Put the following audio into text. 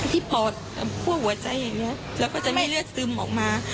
ที่พอพ่อหัวใจอย่างเงี้ยแล้วก็จะมีเลือดซึมออกมา